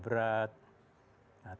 penyakit itu tambah berat